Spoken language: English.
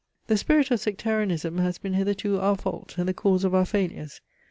The spirit of sectarianism has been hitherto our fault, and the cause of our failures.